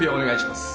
お願いします。